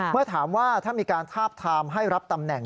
เมื่อถามว่าถ้ามีการทาบทามให้รับตำแหน่ง